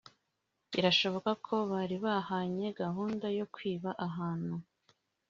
Birashoboka ko bari bahanye gahunda yo kwiba ahantu